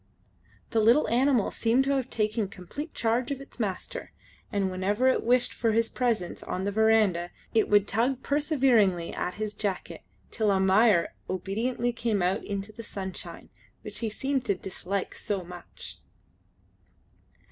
The little animal seemed to have taken complete charge of its master, and whenever it wished for his presence on the verandah it would tug perseveringly at his jacket, till Almayer obediently came out into the sunshine, which he seemed to dislike so much.